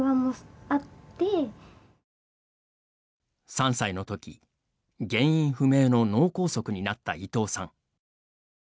３歳のとき、原因不明の脳梗塞になった伊藤さん。